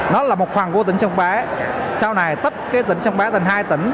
nó là một phần của tỉnh sông bé sau này tách tỉnh sông bé thành hai tỉnh